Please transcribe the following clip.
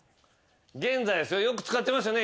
現在ですよく使ってますよね。